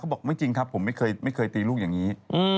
บอกไม่จริงครับผมไม่เคยตีลูกอย่างนี้